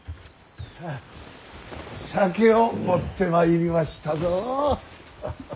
酒を持ってまいりましたぞ。